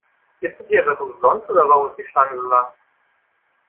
Gibt es hier etwas umsonst, oder warum ist die Schlange so lang?